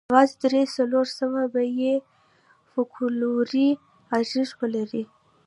یوازې درې څلور سوه به یې فوکلوري ارزښت ولري.